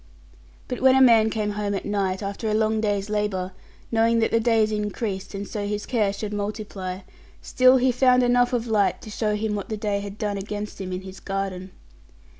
But when a man came home at night, after long day's labour, knowing that the days increased, and so his care should multiply; still he found enough of light to show him what the day had done against him in his garden.